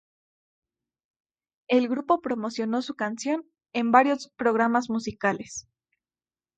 El grupo promocionó su canción en varios programas musicales.